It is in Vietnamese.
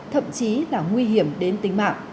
thậm chí là nguy hiểm đến tính mạng